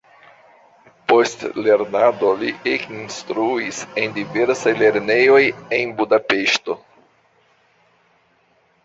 Post lernado li ekinstruis en diversaj lernejoj en Budapeŝto.